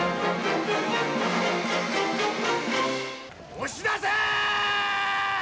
追し出せ！